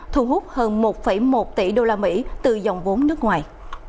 thu hút hơn một một tỷ đô la mỹ từ dòng vốn nước ngoài